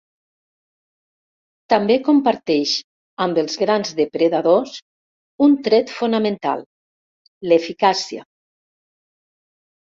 També comparteix amb els grans depredadors un tret fonamental: l'eficàcia.